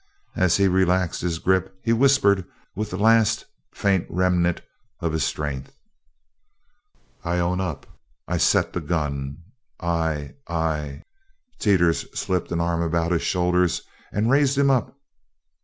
As he relaxed his grip he whispered with the last faint remnant of his strength: "I own up I set the gun I I " Teeters slipped an arm about his shoulders and raised him up.